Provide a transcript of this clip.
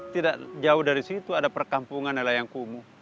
tidak jauh dari situ ada perkampungan nalayangkumo